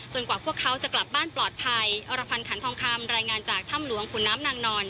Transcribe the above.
กว่าพวกเขาจะกลับบ้านปลอดภัยอรพันธ์ขันทองคำรายงานจากถ้ำหลวงขุนน้ำนางนอน